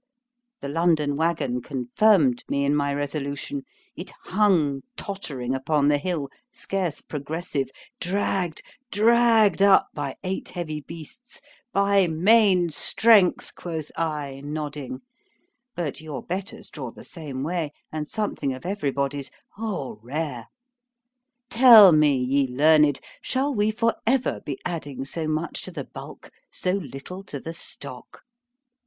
The London waggon confirmed me in my resolution; it hung tottering upon the hill, scarce progressive, drag'd—drag'd up by eight heavy beasts—"by main strength!——quoth I, nodding——but your betters draw the same way——and something of every body's!——O rare!" Tell me, ye learned, shall we for ever be adding so much to the bulk—so little to the _stock?